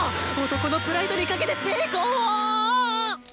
男のプライドにかけて抵抗を。